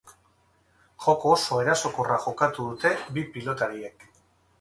Joko oso erasokorra jokatu dute bi pilotariek.